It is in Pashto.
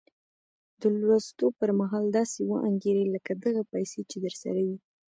د لوستو پر مهال داسې وانګيرئ لکه دغه پيسې چې درسره وي.